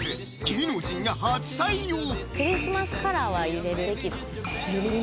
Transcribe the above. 芸能人が初採用！